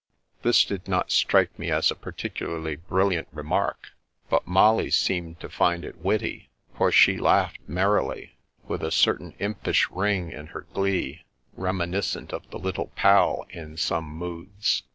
This did not strike me as a particularly brilliant remark, but Molly seemed to find it witty, for she laughed merrily, with a certain impish rii^ in her glee, reminiscent of the Little Pal in some moods.